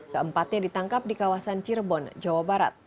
keempatnya ditangkap di kawasan cirebon jawa barat